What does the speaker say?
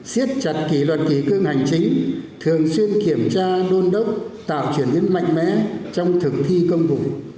xiết chặt kỷ luật kỷ cương hành chính thường xuyên kiểm tra đôn đốc tạo chuyển biến mạnh mẽ trong thực thi công vụ